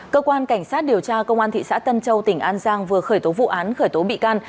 cơ quan cảnh sát điều tra công an thị xã tân châu tỉnh an giang vừa khởi tố vụ án khởi tố bị can